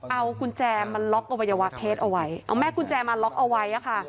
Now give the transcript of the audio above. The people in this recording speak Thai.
เอากุญแจมาล็อกอวัยวะเพศเอาไว้เอาแม่กุญแจมาล็อกเอาไว้ค่ะ